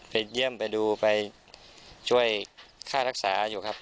ไปเยี่ยมไปดูไปช่วยค่ารักษาอยู่ครับ